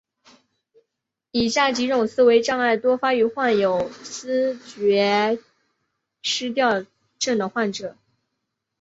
以上几种思维障碍多发于患有思觉失调症的患者。